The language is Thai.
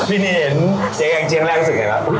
พี่นีเห็นจี๊งแรงสึกไงอ่ะ